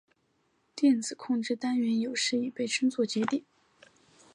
电子控制单元有时也被称作节点。